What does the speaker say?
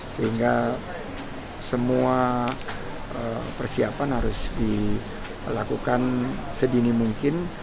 sehingga semua persiapan harus dilakukan sedini mungkin